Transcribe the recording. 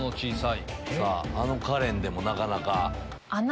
あのカレンでもなかなか。